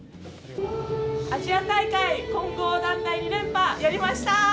アジア大会、混合団体２連覇やりました！